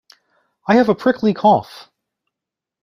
I have a prickly cough.